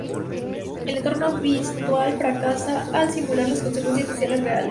El entorno virtual fracasa al simular las consecuencias sociales reales.